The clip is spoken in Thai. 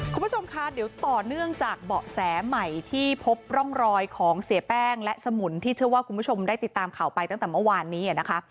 คุณผู้ชมคะเดี๋ยวต่อเนื่องจากเบาะแสใหม่ที่พบร่องรอยของเสียแป้งและสมุนที่เชื่อว่าคุณผู้ชมได้ติดตามข่าวไปตั้งแต่เมื่อวานนี้นะคะ